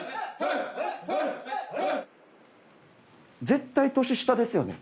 絶対年下ですよね。